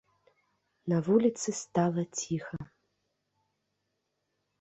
На вуліцы стала ціха.